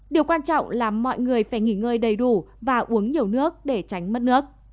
điều quan trọng là mọi người phải nghỉ ngơi đầy đủ và uống nhiều nước để tránh mất nước